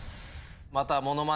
また。